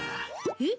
えっ？